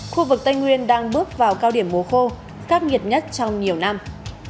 khu vực tây nguyên đang bước vào cao điểm mùa khô khắc nghiệt nhất trong nhiều năm